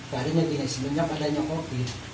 keadaannya begini sebenarnya padanya covid